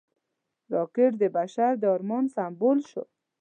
راکټ د بشر د ارمان سمبول شو